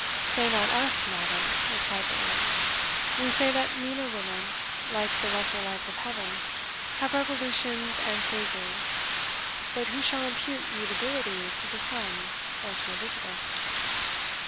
"Say not US, madam," replied the Earl. "We say that meaner women, like the lesser lights of heaven, have revolutions and phases; but who shall impute mutability to the sun, or to Elizabeth?"